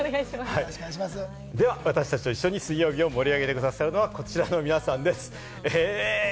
では、私たちと一緒に水曜日を盛り上げてくださるのは、こちらの皆さんです。え！